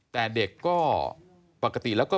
แต่เด็กก็ปกติแล้วก็